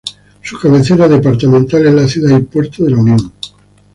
Su cabecera departamental es la ciudad y puerto de La Unión.